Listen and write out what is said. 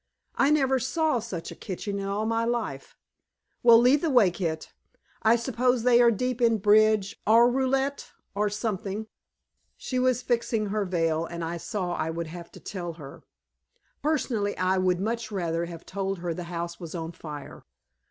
I never saw such a kitchen in all my life. Well, lead the way, Kit. I suppose they are deep in bridge, or roulette, or something." She was fixing her veil, and I saw I would have to tell her. Personally, I would much rather have told her the house was on fire.